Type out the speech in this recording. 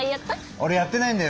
オレやってないんだよ。